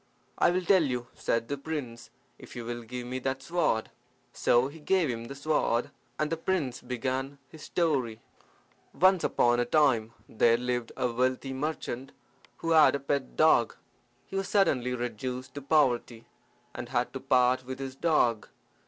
"I will tell you," said the prince, "if you will give me that sword." So he gave him the sword, and the prince began his story: "Once upon a time there lived a wealthy merchant who had a pet dog. He was suddenly reduced to poverty, and had to part with his dog.